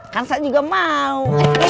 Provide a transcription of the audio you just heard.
kan saya juga mau